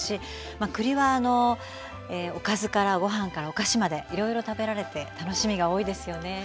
栗はおかずからご飯からお菓子までいろいろ食べられて楽しみが多いですよね。